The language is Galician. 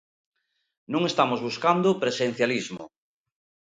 Non estamos buscando presencialismo.